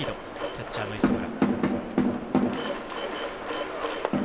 キャッチャーの磯村。